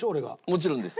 もちろんです。